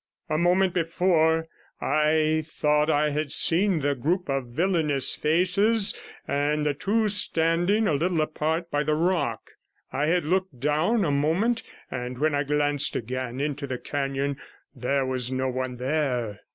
A moment before I thought I had seen the group of villainous faces, and the two standing, a little apart, by the rock; I had looked down a moment, and when I glanced again into the canon there was no one there.